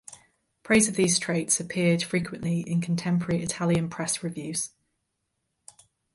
Praise of these traits appeared frequently in contemporary Italian press reviews.